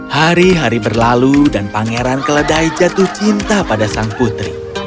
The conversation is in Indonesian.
hari hari berlalu dan pangeran keledai jatuh cinta pada sang putri